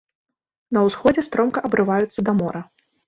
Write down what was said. На ўсходзе стромка абрываюцца да мора.